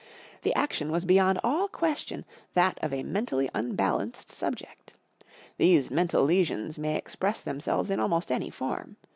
The action was beyond all question that of a mentally unbalanced subject. These mental lesions may express themselves in almost any form.